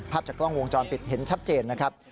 จากกล้องวงจรปิดเห็นชัดเจนนะครับ